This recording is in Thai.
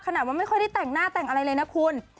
ว่าไม่ค่อยได้แต่งหน้าแต่งอะไรเลยนะคุณ